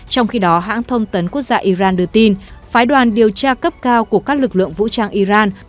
trong khi đó hãng thông tấn quốc gia iran đưa tin phái đoàn điều tra cấp cao của các lực lượng vũ trang iran